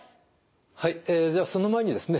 はいじゃあその前にですね